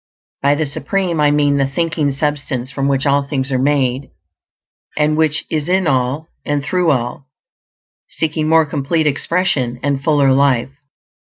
By the Supreme I mean the Thinking Substance from which all things are made, and which is in all and through all, seeking more complete expression and fuller life.